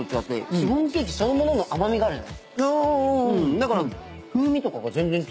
だから。